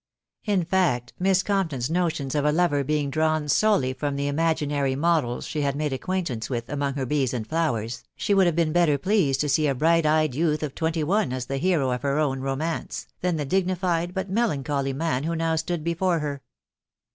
In fact, Miss Compton's notions of a lover being drawn solely from the imaginary models she had made acquaintance with among her bees and flowers, she would have been better pleased to see a bright eyed youth of twenty one as the hero of her own romance, than the dignified but melancholy man who now stood before her.